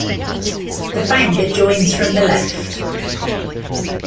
The Banger joins from the left.